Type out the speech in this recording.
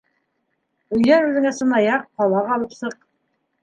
Өйҙән үҙеңә сынаяҡ, ҡалаҡ алып сыҡ.